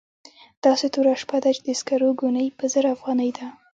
داسې توره شپه ده چې د سکرو ګونۍ په زر افغانۍ ده.